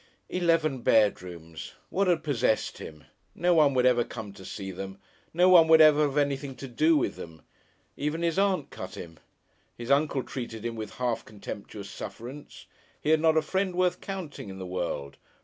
Eleven bedrooms! What had possessed him? No one would ever come to see them, no one would ever have anything to do with them. Even his aunt cut him! His uncle treated him with a half contemptuous sufferance. He had not a friend worth counting in the world!